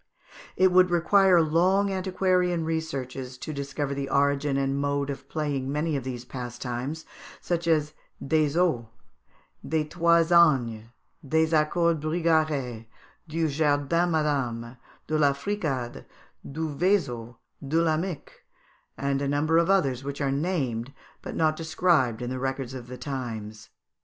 It would require long antiquarian researches to discover the origin and mode of playing many of these pastimes, such as des oes, des trois ânes, des accords bigarrés, du jardin madame, de la fricade, du feiseau, de la mick, and a number of others which are named but not described in the records of the times.